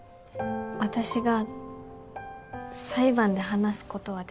私が裁判で話すことはできますか？